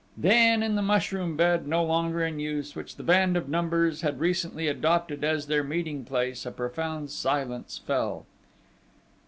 Then, in the mushroom bed, no longer in use, which the band of Numbers had recently adopted as their meeting place, a profound silence fell....